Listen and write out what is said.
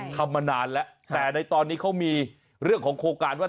ทำมานานแล้วแต่ในตอนนี้เขามีเรื่องของโครงการว่า